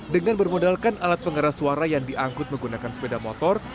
dengan bermodalkan alat pengeras suara yang diangkut menggunakan sepeda motor